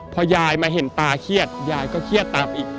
พอยายมาเห็นตาเครียดยายก็เครียดตามอีก